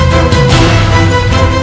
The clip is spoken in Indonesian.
tidak akan padam